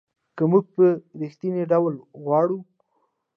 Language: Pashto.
که یې موږ په رښتینې ډول غواړو .